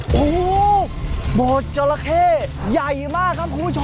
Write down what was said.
โอ้โหบดจอละเค่ใหญ่มากครับคุณผู้ชม